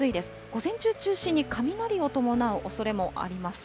午前中中心に雷を伴うおそれもあります。